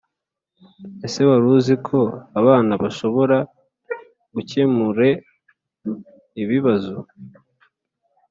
Ese wari uzi ko abana bashobora gukemure ibibazo?